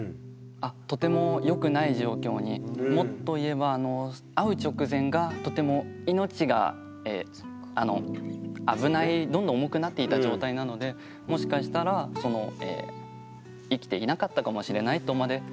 とてもよくない状況にもっと言えば会う直前がとてもどんどん重くなっていた状態なのでもしかしたら今にして思うと。